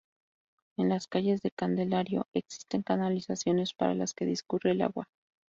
En las calles de Candelario existen canalizaciones por las que discurre el agua.